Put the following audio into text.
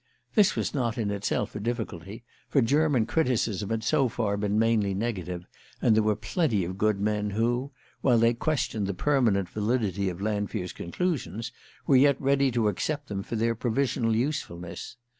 This was not in itself a difficulty, for German criticism had so far been mainly negative, and there were plenty of good men who, while they questioned the permanent validity of Lanfear's conclusions, were yet ready to accept them for their provisional usefulness.